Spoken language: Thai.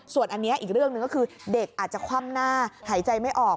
ส่วนอันนี้อีกเรื่องหนึ่งก็คือเด็กอาจจะคว่ำหน้าหายใจไม่ออก